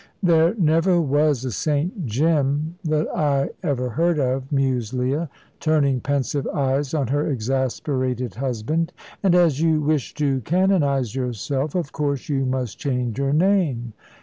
"There never was a St. Jim, that I ever heard of," mused Leah, turning pensive eyes on her exasperated husband, "and as you wish to canonise yourself, of course you must change your name.